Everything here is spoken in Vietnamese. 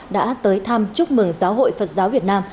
đã tới thăm chúc mừng giáo hội phật giáo việt nam